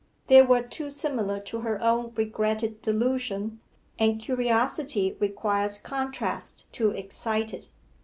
They were too similar to her own regretted delusion, and curiosity requires contrast to excite it.